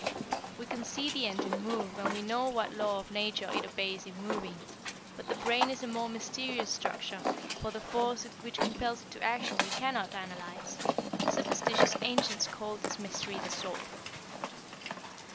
We can see the engine move and we know what law of nature it obeys in moving. But the brain is a more mysterious structure, for the force which compels it to action we cannot analyze. The superstitious ancients called this mystery the soul."